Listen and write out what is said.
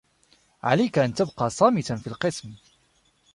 عليك أن تبقى صامتا في القسم.